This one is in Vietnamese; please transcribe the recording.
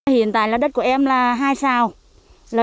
hiện tại đất của em là hai sao